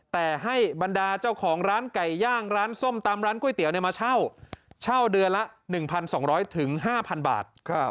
แต่ให้บรรดาเจ้าของร้านไก่ย่างร้านส้มตำร้านก๋วยเตี๋ยวมาเช่าเช่าเดือนละ๑๒๐๐๕๐๐บาท